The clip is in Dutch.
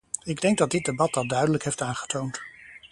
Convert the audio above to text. Ik denk dat dit debat dat duidelijk heeft aangetoond.